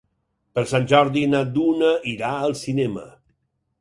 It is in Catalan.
Per Sant Jordi na Duna irà al cinema.